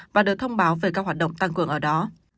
và được thông báo về các hoạt động tăng cường ở đó